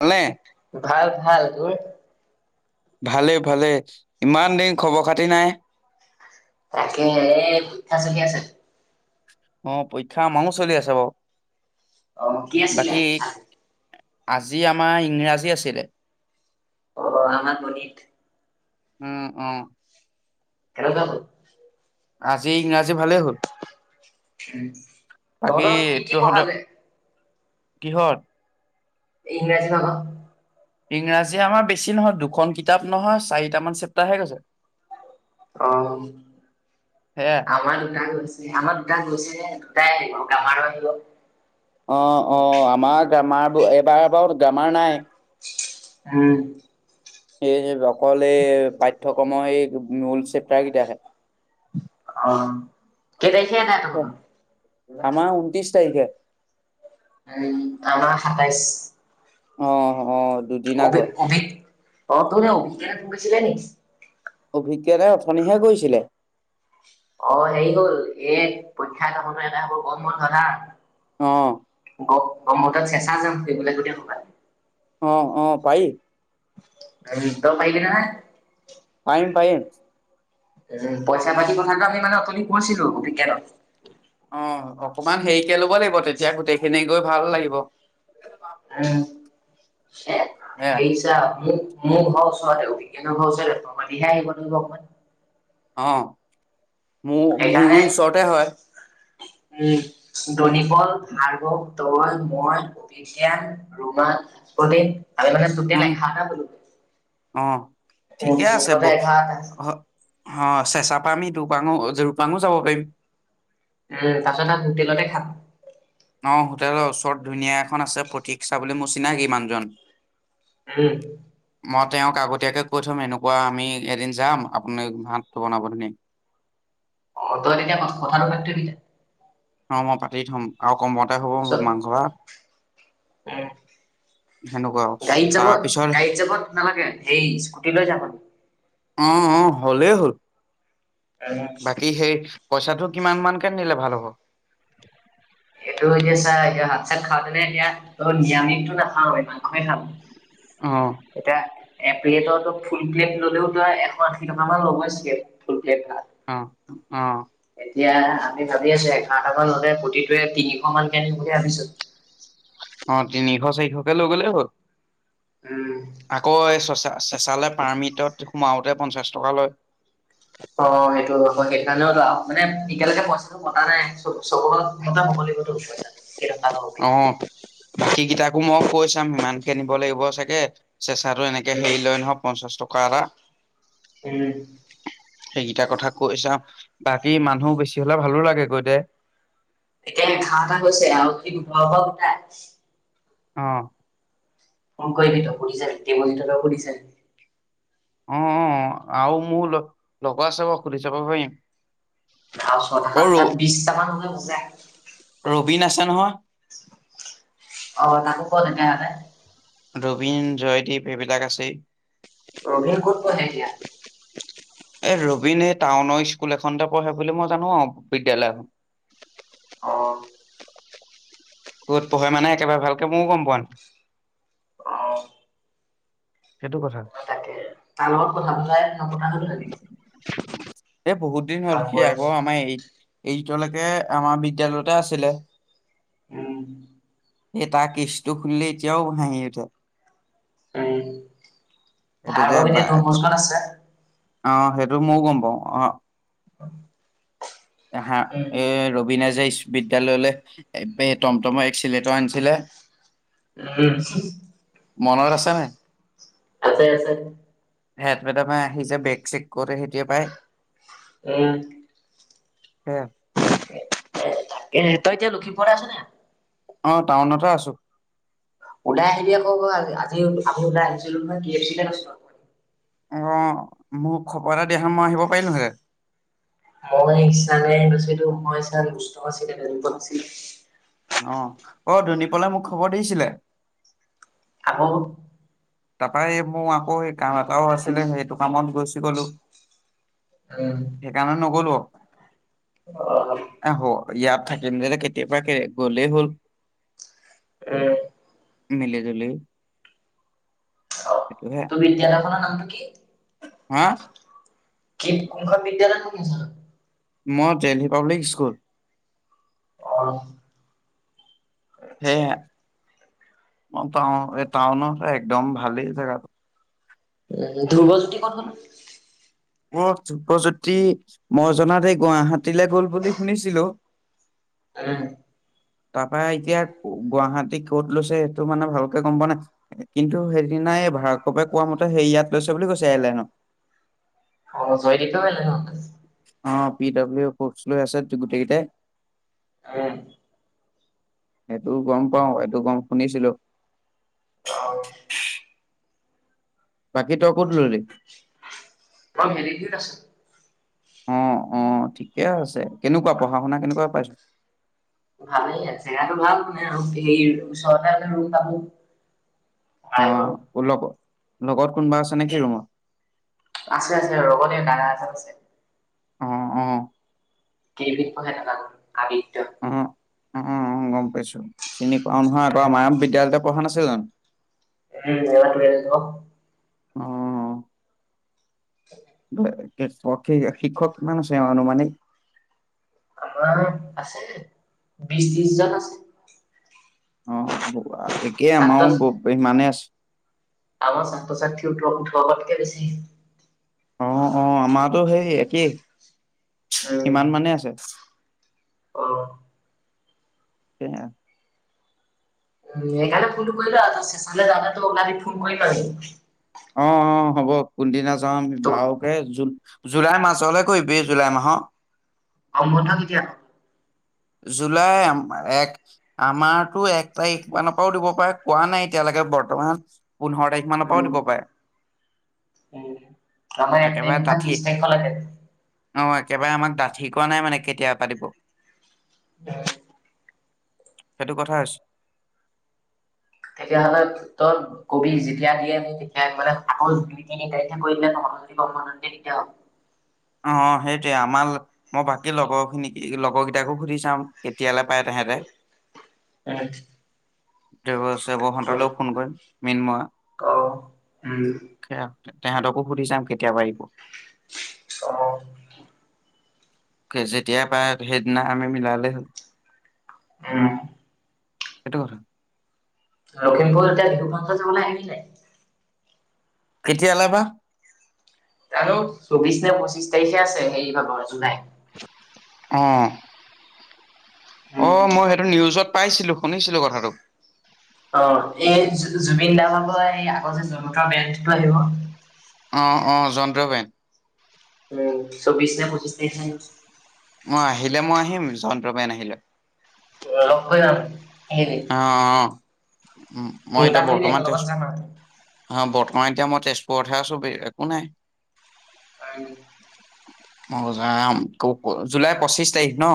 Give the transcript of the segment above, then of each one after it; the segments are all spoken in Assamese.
ভালনে? ভাল ভাল তোৰ। ভালে ভালে। ইমান দিন খবৰ খাতি নাই তাকে এ পৰীক্ষা চলি আছে অ পৰীক্ষা আমাও চলি আছে বাও অ কি আছিলে আজি? আজি আমাৰ ইংৰাজী আছিলে। অ আমাৰ গনিত। উম অ কেনকা হ'ল? আজি ইংৰাজী ভালে হ'ল। বাকী তহঁত কি কি তহঁত পঢ়ালে? কিহত ইংৰাজী আক। ইংৰাজীয়ে আমাৰ বেছি নহয় দুখন কিতাপ নহয় চাৰিটামান চেপ্তাৰহে গৈছে। অ সেয়া। আমাৰ দুটা গৈছে আমাৰ দুটা গৈছেহে দুটাই আহিব। অমাৰো আহিব অ অ আমাক আমাৰ বু এবাৰ বাৰু গ্ৰামাৰ নাই। উম সেই হে ব্লক সকলে পাঠ্য পাঠ্যক্ৰমৰ এই মূল চেপ্তাৰ কেইটা আহে অ কেটাইখে এদাই হ'ব নামা ঊনত্ৰিশ তাৰিখে উম তাৱা সাতাইশ অ অ। দুদিন অবি আগত অভি। ত ত অভি ভুগিছিলে নি। অভিজ্ঞাৰে অথনিহে গৈছিলে। অ হেৰি হ'ল এ পৰীক্ষা এটা হওঁতে গৰম বন্ধ না। অ। ব্ৰ্মতত চেচা যোম শুবলৈ গো ভবা লাগে। অ অ পাৰি। ত পাইলি ন নাই। পাৰিম পাৰিম। উ পইচা পাতি কথা কৈছিলো অভিজ্ঞানক। অ অকমান হেৰিকে লব লাগিব তেতিয়া গোটেইখিনি। গৈ ভাল লাগিব। উম। এ সেইেইছ ম। মোৰ ঘৰ ওচৰতে অভিজ্ঞানৰ ওচৰতে পা পাতি আহিব অকনমান। অ। মোৰ সেইকাৰণে মোৰো ওচৰতে হয়। উম দনিবল ভাৰ্বক তল মই অভিজ্ঞান ৰোমা প্ৰদীপ। আমি মানে টুতেল উম, এঘাৰটা অ হলো ঠিকে আছে ব মুঠতে এঘাৰটা। অ চেচা পৰাা আমি দুপাঙো দুপাংঙো যাব। পাৰিম উ তাৰ পাছত আম হোটেলতে খাম। অ হোটেলৰ ওচৰত ধুনীয়া এখন আছে প্ৰতীক চা বুলি মোৰ চিনাকি মানুহৰ জন। উম। মই তেওঁক আগতীয়াকৈ কৈ থম এনেকুৱা আমি এদিন যাম আপুনি ভাতটো বনাব ধুনীয়াকে। অ তই তেতিয়া মাছ কথাটো সোধি ছবি তাইক। অ মই পাতি থম আৰু। কমতে হ'ব মাংস ভাত। অহ। সেনেকুৱা আৰু গাড়ীত যাব তাৰপিছত গাড়ীত যাব নালাগে সেই স্কুটি লৈ যাবানি। অ অ হলেই হ'ল। উম বাকী সেই পইচাটো কিমান মান কে নিলে ভাল হ'ব। ক। এইটো এতিয়া চা এ হাত চাত খাওঁতেনে এতিয়া নিৰামিষ টো নাখাওঁ মাংসে খাম। অ', এতিয়া এপ্লেটো ফুল প্লেট ললেও তই এশ। লগব আছিলে ফুল প্লেট খাম। অ অহ। এতিয়া আমি ভাবি আছো এঘাৰটাামান হলে প্ৰতিটোৱে তিনিশ মানকে আনিম বুলি ভাবিছো। অ তিনি চাৰিশ লৈ গ'লে হ'ল। উম। আকৌ এই চচা চেচালে পাৰ্মিটত সোমাওঁতে পঞ্চাশ টকা লয় অ সেইটো আকৌ সেইটো কাৰণেও মানে এতিয়ালৈকে পইচাটো মতা নাই চ চব মতে হ'ব লাগিব টো পইচাটো অ বাকী কেইটাকো মই কৈ চাম সিমান কিনিব লাগিব চাগে চেচাটো এনেকে উম হেৰি লয় নহয় পঞ্চাশ টকা এটা উম, সেইকেইটা কথা কৈ চাম বাকী মানুহ বেছি হ'লে ভালো লাগে গৈ দে এতিয়া এখা এটা হৈছে আৰু কি খোৱা বোৱা গোটা অ ফোন কৰিবি তই সুধি চাবি অ অ আৰু মোৰ ল লগৰ আছে বাৰু সুধি চাব পাৰিম আৰু ছটা অ', ৰ সাতটাত বিশটা মান হ'লে হৈ যায় বিন আছে নহয় অ তাকো কল এটা হে ৰবিন জয়দ্বীপ এইবিলাক আছেই ৰবিণ ক'ত পঢ়ে এতিয়া এ ৰবিনে টাউনৰ স্কুল এখনতে পঢ়ে বুলি মই জানো আৱ বিদ্যয়ালয়‌ এখন অঁ ক'ত পঢ়ে মানে একেবাৰে ভালকে মও গম পোৱা নাই আহ সেইটো কথা। অ তাকে তাৰ লগত কথা পতাই নপতা হলো এ বহুত দিন হ'ল সি নপৰে। আগৰ আমাৰ এই এই এতিয়ালৈকে আমাৰ বিদ্যালয়তে আছিলে উম এ তাৰ কেচটো খুলিলে এতিয়াও হাঁহি উঠে উম এইটো যে ভাৰ্গব বা এতিয়া দনবকছত আছে অ সেইটো মও গম পাওঁ অ অ [inaudible] এহা এ ৰবিনে যে ইছ বিদ্যালয়লে এ বে টমতম এ চিলেট আনিছিলে উম। মনত আছে নাই আছে আছে হেদ মেডামে আহি যে বেগ চেক কৰে সেইটোৱে পাই উম হে তই এতিয়া লখিমপুৰতে আছ নাই? অ টাউনতে আছো। ওলাই আহিবি আকৌ আজি আমি ওলাই আহিছিলো নহয় কি এক্সিডেণ্ট হৈছে অঁ, মোক খবৰ এটা দিয়া হলে মই আহিব পাৰিলোহেঁতেন। [unintelligible] অ, অ ধুনীপলে মোক খবৰ দিছিলে। আকৌ তাৰপৰা সে মই আকৌ কাম এটাও আছিলে। সেইটো কামত গৈছি গলো। উম, সেইকাৰণে নগলো। অ' এ হ ইয়াত থাকিম দে, এনে কেতিয়াবাকে গলেই হ'ল। উম। মিলি-জুলি অ, তোৰ বিদ্যালয়খনৰ নামটো কি? হা? কি কোনখন বিদ্যালয় কথা কৈছ? মই দেল্হী পাব্লিক স্কুল। অঁ। সেয়া অ টা এই টাউনৰ একদম ভালেই জেগাটো। ধ্ৰুবজ্যোতি ক'ত গল? ধ্ৰুবজ্যোতি মই জনাত এই গুৱাহাটীলৈ গল বুলি শুনিছিলো উম, তাৰপৰা এতিয়া গুৱাহাটী কত লৈছে টো মানে ভালকে গম পোৱা নাই। কিন্তু হে নাই ভাৰ্গৱে কোৱা মতে সেই ইয়াত লৈছে বুলি কৈছে এয়াৰলাইনত। অ জয়দীপেও ললে ন তাত? অ পি ডাব্লিউ পোষ্ট লৈ আছে গোটেইকেইটাই। উম। সেইটো গম পাও, এইটো গম শুনিছিলো। অ, বাকী তই ক'ত ললি? মই ভেলিভিউত আছো। অ, অ ঠিকে আছে। কেনেকুৱা পঢ়া- শুনা কেনেকুৱা পাইছ? ভালই আছে আৰু জেগাটো ভাল নে [unintelligible] অ কলক লগত কোনোবা আছে নে কি ৰুমত? আছে, আছে। ৰগন এই দাদা এটা আছে। অ, অ। কেইদিনমান এটাৰ আগত আদিত্য। উম, উম গম পাইছো। চিনি পাওঁ নহয় আকৌ, উম, আমাৰ বিদ্যালয়তে পঢ়া নাছিল জানো? উম এ টোৱে ক অ শিক্ষক কিমান আছে অনুমানিক আমাৰ আছে বিশ ত্ৰিশ জন আছে। অ একেই ছাত্ৰ আমাৰো ইমানে আছে। আমাৰ ছাত্ৰ-ছাত্ৰী সোতৰ ওঠৰ টাতকে বেছি। অ অ আমাৰটো সেই একেই। উম সিমান মানে আছে। অ তেয়া উ এইকাৰণে ফোনটো কৰি ল, চেচালে যাবলেটো উলাই থাকি ফোন কৰি পাবি। অ অ হ'ব কোনদিনা যাম তোক বাওকে জু জুলাই মাজলে কৰিবি জুুলাই মাহ গৰম বন্ধ কেতিয়া? জুলাই এম এক আমাৰতো এক তাৰিখ। ওৱান পাওঁ দিব পাৰে কোৱা নাই। এতিয়ালেকে বৰ্তমান পোন্ধৰ তাৰিখ মানৰ উ পৰাও দিব পাৰে উ আমাৰ এক একেবাৰে তাৰিখ পৰা ডাঠি ত্ৰিছ তাৰিখলৈকে। অ একেবাৰে আমাক ডাঠি কোৱা নাই মানে কেতিয়া পা দিব। [unintelligible] সেইটো কথা হৈছে। তেতিয়াহলে তই কবি যেতিয়া দিয়ে তেতিয়া মানে সকল দুই তিনি তাৰিখে কৰি দিলে তহঁতৰ যদি গম পোৱাত দিগদাৰ হ'ব। অ সেইটোৱে আমাৰ মই বাকী লগৰ খিনিক লগৰ কেইটাকো সুধি চাম কেতিয়ালে পায় তেহেঁতে, দেব চেব সতলৈ ফোন কৰিম। মিনমা ক উম তেহঁতকো সুধি চাম কেতিয়া পাৰিব। অ যেতিয়া পাই সেইদিনা আমি মিলালে হ'ল। উম সেইটো কথা। লখিমপুৰ এতিয়া বিহু ফাংচন চাবলে আহিবি নাই। কেতিয়ালে বা। জানো চৌবিশ নে পঁচিশ তাৰিখে আছে সেই ভাগৰ জুলাই অহ পাইছিলো শুনিছিলো কথাটো। অ এই জুবিন দা ভাগৰ এই আগতে যে জন্ম তা বেনটিটো আহিব অ', অ', যন্ত্ৰবেন উম চৌবিছ নে পঁচিছ ন [inaudible] মই আহিলে মই আহিম জন্ত্ৰমণ আহিলে অ অ যাম। অ অ উম ফোন মই এটা এতিয়া কৰিবি বৰ্তমানছো একেলগত যাম আৰু। অ বৰ্তমান এতিয়া মই তেজপুৰতহে আছো একো নাই হয়। মই যাম। জুলাই পঁচিশ তাৰিখ ন।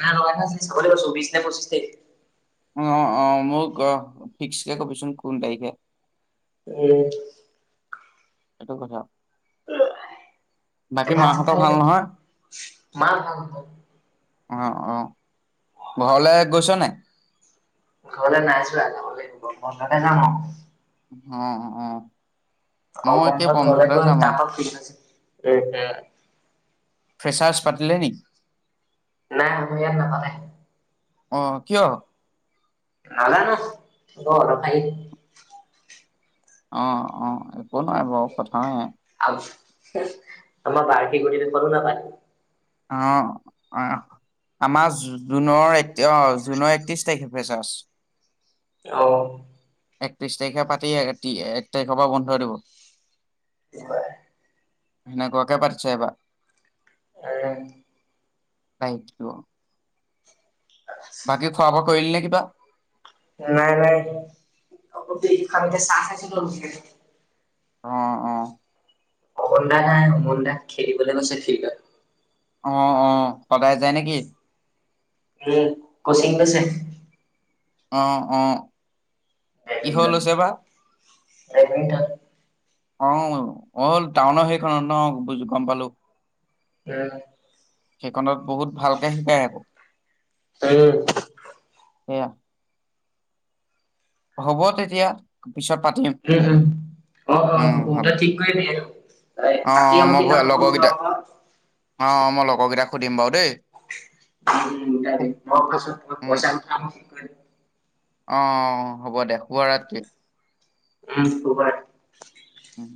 ন লগ আছিল চাব লাগিব চৌবিশ নে পঁচিছ তে অ অ মোক অ ফিক্সকে কবিচোন কোন তাৰিখে? উম এইটো কথা বাকী ভাত মাহঁতৰ খাই, ভাল নহয়? মাৰ ভাল। অ অ ঘৰলৈ গৈছ নাই ঘৰলে নাই যোৱা যাব লাগিব বন্ধতে যাম আও। অ অ মই গৰম একে বন্ধত ঘৰলে বন্ধতে গৈ যাম আৰু তাৰপাক ফি আছে উম হ। ফেচাৰ্ছ পাতিলে নাই আমি ইয়াত নাপাতে অ', কিয়? নাজানো অ অ একো নোৱাই বাৰ কথা নাই আ আম বা কে ডেখোলোং আও অ অ আমাজ জুনৰ এক অ জুনৰ একত্ৰিছ তাৰিখে। ফেচাছ। আহ, একত্ৰিশ তাৰিখে পাতি এক তাৰিখৰ পৰা বন্ধ হৈ দিব। কি কয়? কেনেকুৱা খনে পাৰিছে, এইবাৰ? অ থেংক ইউ বাকী খোৱা বোৱা কৰিলি নে কিবা? নাই নাই। অ অ অমন দাই অমন দাই খেলিবলৈ কৈছে ফিলডত অঁ অঁ সদায় যায় নেকি! উ কচিং কৰিছে। অঁ অঁ। কিহ লৈছে বা বেডমিন্টন। অঁ অ'ল টাউনৰ সেইখনত ন গম পালো উম। সেইখনত। বহুত ভালকে শিকাই আকৌ। আৰু সেয়া হ'ব তেতিয়া পিছত পাতিম। উম হুম হ'ব তই ঠিক কৰিবি আৰু বাকী অ', আৰু কি মই আৰু কি লগৰকেইটা কৰ ক অ মই লগৰকেইটাক সুধিম বাৰু দেই উ খুব ম খুব পাছত পইচা কাম কৰে অঁ হ'ব দে শুভ ৰাত্ৰি। উম শুভৰাত্ৰি। উম